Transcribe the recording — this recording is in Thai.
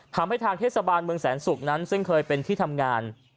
ทางเทศบาลเมืองแสนศุกร์นั้นซึ่งเคยเป็นที่ทำงาน